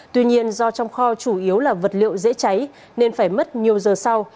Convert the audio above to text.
tuy nhiên do trong kho chủ yếu là vật liệu dễ cháy nên phải mất nhiều giờ sau